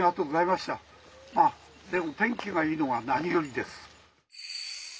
まあでも天気がいいのが何よりです。